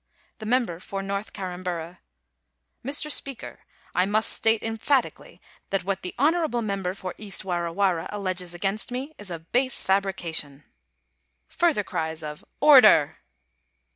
The member for North Carramburra :* Mr. Speaker, I must state emphatically that what the honourable member for East Warra Warra alleges against me is a base fabrication.' Further cries of * Order.'